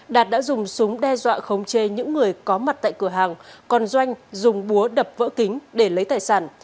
đạt đã dùng súng đe dọa khống chế những người có mặt tại cửa hàng còn doanh dùng búa đập vỡ kính để lấy tài sản